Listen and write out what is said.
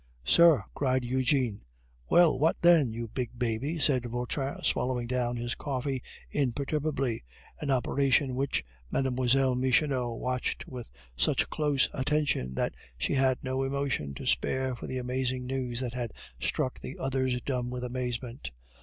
"Sir!" cried Eugene. "Well, what then, you big baby!" said Vautrin, swallowing down his coffee imperturbably, an operation which Mlle. Michonneau watched with such close attention that she had no emotion to spare for the amazing news that had struck the others dumb with amazement.